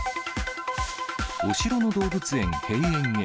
お城の動物園、閉園へ。